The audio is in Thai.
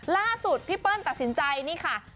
ล่าสุดพี่เปิ้ลตัดสินใจนี่ค่ะ